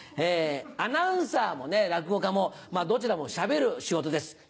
アナウンサーも落語家もどちらもしゃべる仕事です。